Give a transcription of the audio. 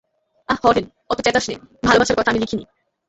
আঃ হরেন, অত চেঁচাস নে, ভালোবাসার কথা আমি লিখি নি।